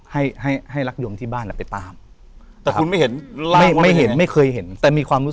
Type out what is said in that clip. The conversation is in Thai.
ให้รักยุมที่บ้านเอ่ยไปตาม